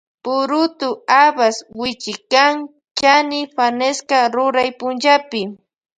Purutu habas wichikan chani fanesca ruray punllapi.